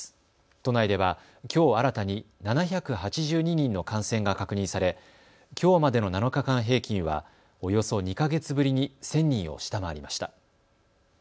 都内では、きょう新たに７８２人の感染が確認されきょうまでの７日間平均はおよそ２か月ぶりに１０００人を下回りました。